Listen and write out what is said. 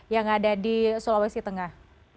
yang ada di sulawesi tengah